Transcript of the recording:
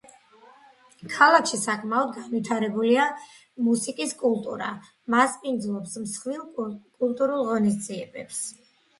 ქალაქში საკმაოდ განვითარებულია მუსიკის კულტურა, მასპინძლობს მსხვილ კულტურულ ღონისძიებებს.